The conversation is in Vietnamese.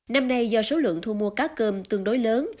năm nay do số lượng thu mua cá cơm tương đối lớn